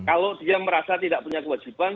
kalau dia merasa tidak punya kewajiban